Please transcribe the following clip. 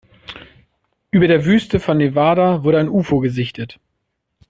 Über der Wüste von Nevada wurde ein Ufo gesichtet.